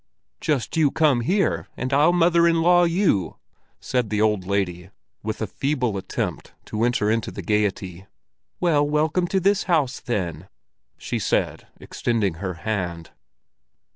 "Just you come here, and I'll mother in law you!" said the old lady, with a feeble attempt to enter into the gaiety. "Well, welcome to this house then," she said, extending her hand.